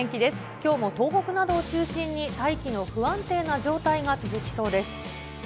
きょうも東北などを中心に、大気の不安定な状態が続きそうです。